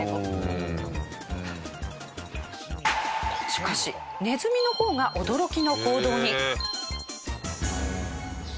しかしネズミの方が驚きの行動に。